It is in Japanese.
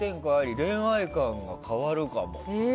恋愛観が変わるかも。